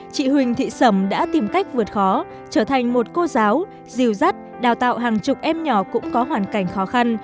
chị huỳnh thị sầm đã tìm cách vượt khó trở thành một cô giáo diều dắt đào tạo hàng chục em nhỏ cũng có hoàn cảnh khó khăn